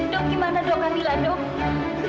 dok gimana dok kamila dok